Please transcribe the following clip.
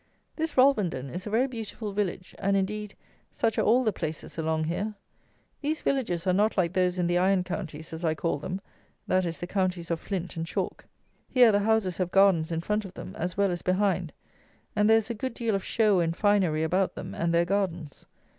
This Rolvenden is a very beautiful village; and, indeed, such are all the places along here. These villages are not like those in the iron counties, as I call them; that is, the counties of flint and chalk. Here the houses have gardens in front of them as well as behind; and there is a good deal of show and finery about them and their gardens.